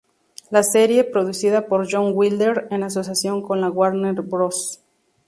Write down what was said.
La serie, producida por John Wilder en asociación con la Warner Bros.